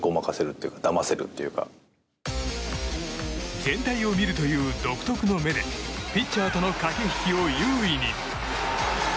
全体を見るという独特の目でピッチャーとの駆け引きを優位に。